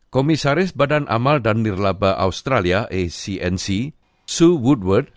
komisaris badan amal dan lirlaba australia acnc sue woodward